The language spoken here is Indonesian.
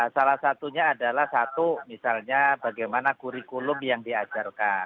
salah satunya adalah satu misalnya bagaimana kurikulum yang diajarkan